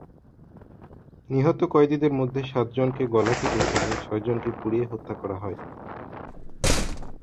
নিহত কয়েদিদের মধ্যে সাতজনকে গলা কেটে এবং ছয়জনকে পুড়িয়ে হত্যা করা হয়।